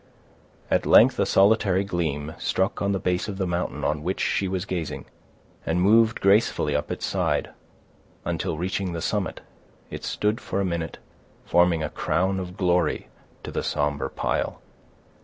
At length a solitary gleam struck on the base of the mountain on which she was gazing, and moved gracefully up its side, until reaching the summit, it stood for a minute, forming a crown of glory to the somber pile.